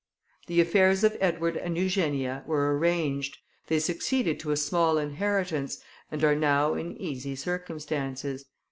The affairs of Edward and Eugenia were arranged, they succeeded to a small inheritance, and are now in easy circumstances.